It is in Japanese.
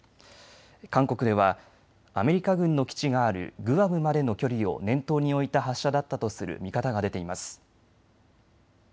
韓国ではアメリカ軍の基地があるグアムまでの距離を念頭に置いた発射だったとする見方が出ています。